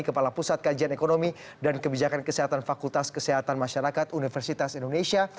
kepala pusat kajian ekonomi dan kebijakan kesehatan fakultas kesehatan masyarakat universitas indonesia